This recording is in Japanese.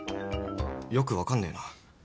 よく分かんねえな。